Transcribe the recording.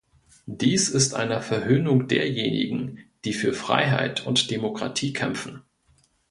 Dies ist eine Verhöhnung derjenigen, die für Freiheit und Demokratie kämpfen.